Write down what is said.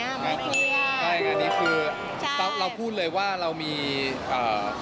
ไม่เคลียร์ใช่งานนี้คือเราพูดเลยว่าเรามีอ่า